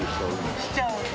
しちゃう！